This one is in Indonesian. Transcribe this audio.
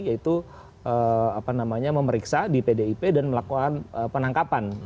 yaitu memeriksa di pdip dan melakukan penangkapan